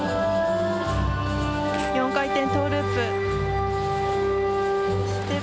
４回転トウループ。